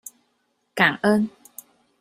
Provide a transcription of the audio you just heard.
感恩！